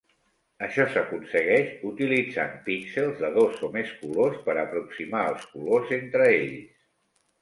Això s'aconsegueix utilitzant píxels de dos o més colors per aproximar els colors entre ells.